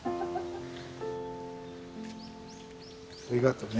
ありがとうね。